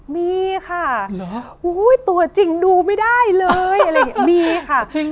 มีค่ะตัวจริงดูไม่ได้เลยมีค่ะ